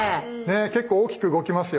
結構大きく動きますよね。